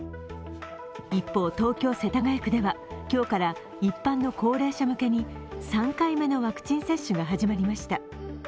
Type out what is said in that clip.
一方、東京・世田谷区では今日から一般の高齢者向けに３回目のワクチン接種が始まりました。